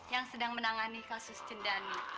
yang sedang menangani kasus cendani